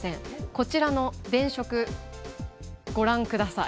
こちらの電飾ご覧ください。